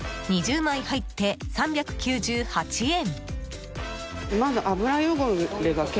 ２０枚入って、３９８円。